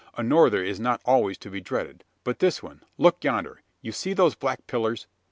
A norther is not always to be dreaded; but this one look yonder! You see those black pillars?"